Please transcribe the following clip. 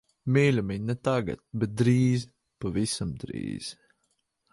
Mīļumiņ, ne tagad. Bet drīz, pavisam drīz.